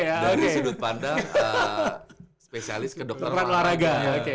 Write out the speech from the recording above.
dari sudut pandang spesialis ke dokter olahraga